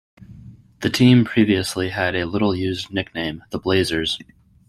The team previously had a little-used nickname, "the Blazers".